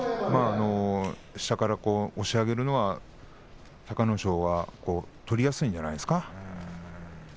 下から押し上げるのは隆の勝のほうが取りやすいんじゃないですかね。